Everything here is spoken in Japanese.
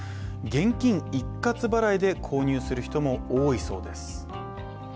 現金一括払いで購入する人も多いそうです。